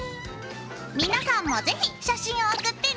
皆さんもぜひ写真を送ってね！